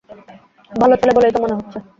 ভালো চলে বলেই তো মনে হচ্ছে।